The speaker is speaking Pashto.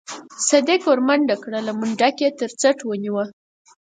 صدک ورمنډه کړه منډک يې تر څټ ونيوه.